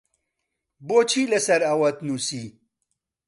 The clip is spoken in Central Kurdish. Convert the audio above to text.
بۆچی لەسەر ئەوەت نووسی؟